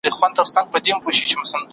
رښتينولي د بريا کيلي ده.